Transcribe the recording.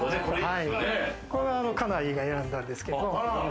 これは家内が選んだんですけど。